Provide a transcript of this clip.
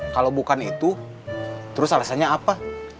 kalau bukan itu terus alasannya apa